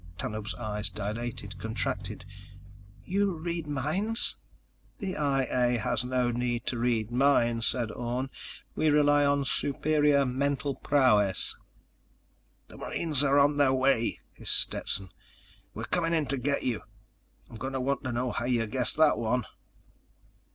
Tanub's eyes dilated, contracted. "You read minds?" "The I A has no need to read minds," said Orne. "We rely on superior mental prowess." "The marines are on their way," hissed Stetson. _"We're coming in to get you. I'm going to want to know how you guessed that one."